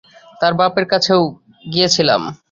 তার বাপের কাছেও গিয়েছিলুম।